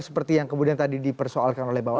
seperti yang kemudian tadi dipersoalkan oleh bawas